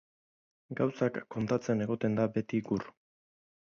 Gauzak kontatzen egoten da beti Gur.